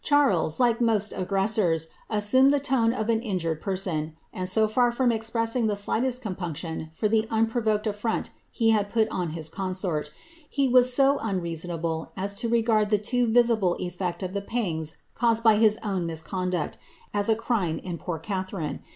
«, like most aggressors, assumed the tone of an injured person ; ir from expressing the slightest compunction for the unprovoked e had put on his consort, he was so unreasonable as to regard 'isible effect of the pangs caused by his own misconduct, as a poor Catliariue.